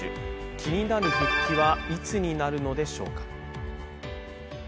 気になる復帰はいつになるのでしょうか。